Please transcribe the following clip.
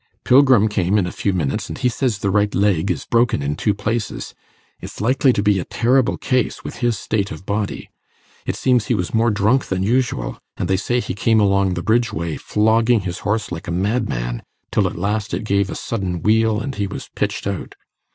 Pilgrim came in a few minutes, and he says the right leg is broken in two places. It's likely to be a terrible case, with his state of body. It seems he was more drunk than usual, and they say he came along the Bridge Way flogging his horse like a madman, till at last it gave a sudden wheel, and he was pitched out.